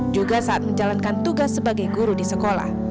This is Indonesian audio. juga saat menjalankan tugas sebagai guru di sekolah